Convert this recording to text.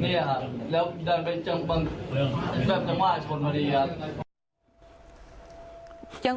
นี่แหละครับแล้วเดินไปจังหว่าชนมาดีครับ